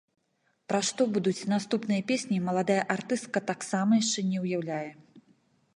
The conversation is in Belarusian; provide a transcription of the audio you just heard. Пра што будуць наступныя песні, маладая артыстка таксама яшчэ не ўяўляе.